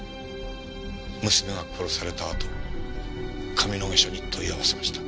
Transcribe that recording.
娘が殺されたあと上野毛署に問い合わせました。